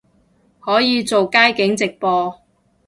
可以做街景直播